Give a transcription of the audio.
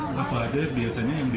obat pelayanan yang baik